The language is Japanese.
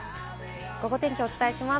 ゴゴ天気をお伝えします。